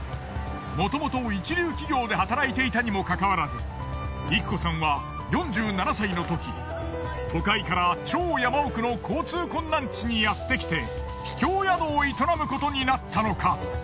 もともと一流企業で働いていたにもかかわらずいく子さんは４７歳のとき都会から超山奥の交通困難地にやってきて秘境宿を営むことになったのか？